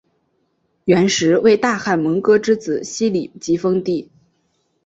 元时为大汗蒙哥之子昔里吉封地。